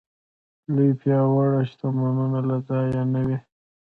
لوی پياوړ شتمنو له ځایه نه وي.